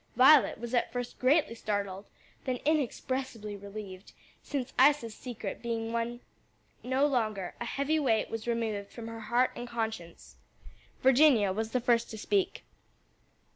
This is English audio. Violet was at first greatly startled, then inexpressibly relieved; since Isa's secret being one no longer, a heavy weight was removed from her heart and conscience. Virginia was the first to speak.